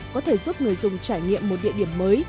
có thể giúp người dùng trải nghiệm một địa điểm mới